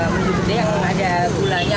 menjubutnya yang ada gulanya